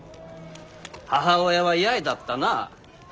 母親は八重だったな。